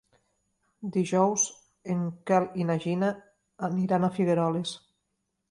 Dijous en Quel i na Gina aniran a Figueroles.